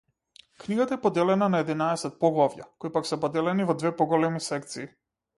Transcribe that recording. Книгата е поделена на единаесет поглавја, кои пак се поделени во две поголеми секции.